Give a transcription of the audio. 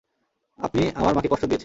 আপনি আমার মাকে কষ্ট দিয়েছেন।